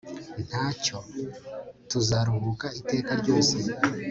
ntacyo! tuzaruhuka iteka ryose